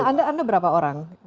nah anda berapa orang